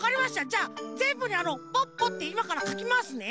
じゃあぜんぶにあの「ポッポ」っていまからかきますね。